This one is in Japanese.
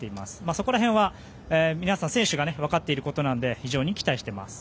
そこら辺は選手がわかっていることなので非常に期待しています。